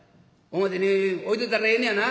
表に置いといたらええねやな？